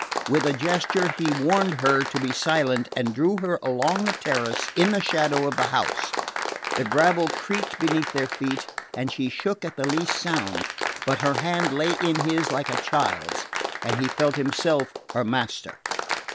With a gesture he warned her to be silent and drew her along the terrace in the shadow of the house. The gravel creaked beneath their feet, and she shook at the least sound; but her hand lay in his like a child's and he felt himself her master.